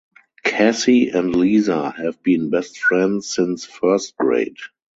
Cassie and Lisa have been best friends since first grade.